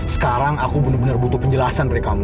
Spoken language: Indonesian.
sekarang aku bener bener butuh penjelasan dari kamu